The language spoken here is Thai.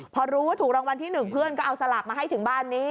พอรู้ว่าถูกรางวัลที่๑เพื่อนก็เอาสลากมาให้ถึงบ้านนี้